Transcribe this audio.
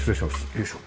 よいしょ。